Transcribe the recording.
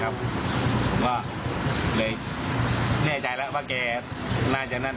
ผมก็เลยแน่ใจแล้วว่าแกน่าจะนั่น